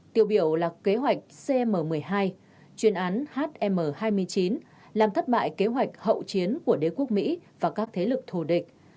tiêu biểu là kế hoạch cm một mươi hai chuyên án hm hai mươi chín làm thất bại kế hoạch hậu chiến của đế quốc mỹ và các thế lực thù địch